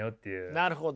なるほど。